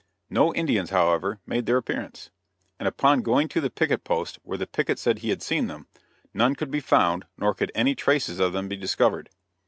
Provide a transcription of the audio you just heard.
No Indians, however, made their appearance, and upon going to the picket post where the picket said he had seen them, none could be found nor could any traces of them be discovered.